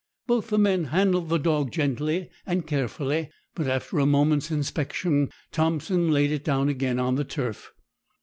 Both the men handled the dog gently and carefully, but, after a moment's inspection, Thompson laid it down again on the turf.